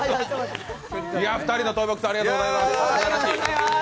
２人のトイボックス、ありがとうございます。